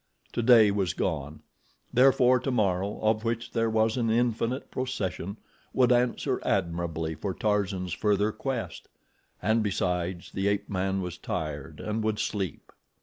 Today was gone. Therefore tomorrow, of which there was an infinite procession, would answer admirably for Tarzan's further quest. And, besides, the ape man was tired and would sleep.